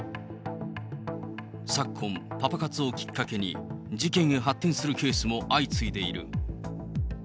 昨今、パパ活をきっかけに事件に発展するケースも相次いでいる。